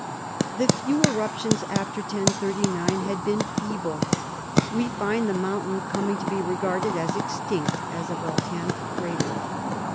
The few eruptions after 1039 had been feeble. We find the mountain coming to be regarded as extinct as a volcanic crater.